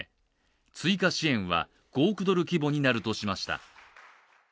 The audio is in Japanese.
追加支援は、５億ドル規模になるとしました。